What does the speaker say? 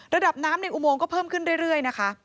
ระดับน้ำในอุโมงก็เพิ่มขึ้นเรื่อยนะคะ